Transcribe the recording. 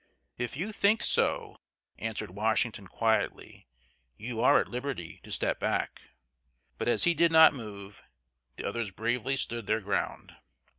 "If you think so," answered Washington, quietly, "you are at liberty to step back." But as he did not move, the others bravely stood their ground.